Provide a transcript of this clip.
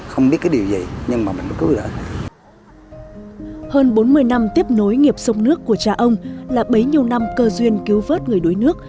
hơn bốn mươi năm tiếp nối nghiệp sông nước của cha ông là bấy nhiêu năm cơ duyên cứu vớt người đuối nước